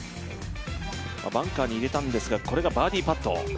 バンカーに入れたんですが、これがバーディーパット。